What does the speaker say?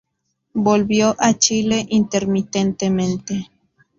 Volvió a Chile intermitentemente.